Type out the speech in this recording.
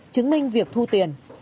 chứng minh việc thu tiền